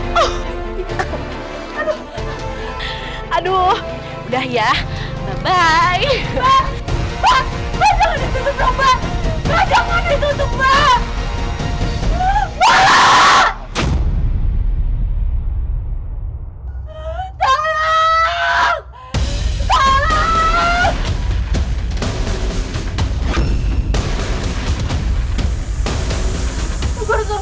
mbak jangan tutup mbak